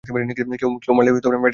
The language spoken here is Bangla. কেউ মরলে মাটিতে পুতে রাখে।